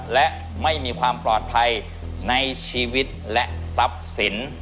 และไม่มีความปลอดภัยในชีวิตและทรัพย์สิน